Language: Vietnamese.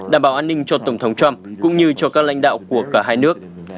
đảm bảo an ninh cho tổng thống trump cũng như cho các lãnh đạo của cả hai nước